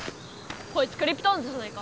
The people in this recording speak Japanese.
こいつクリプトオンズじゃないか。